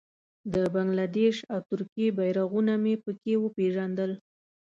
د بنګله دېش او ترکیې بېرغونه مې په کې وپېژندل.